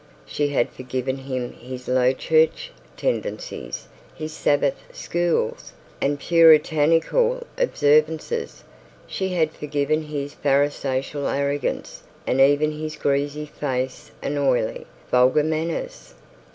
She had forgiven him his low church tendencies, his Sabbath schools, and puritanical observances. She had forgiven his pharisaical arrogance, and even his greasy face and oily vulgar manners.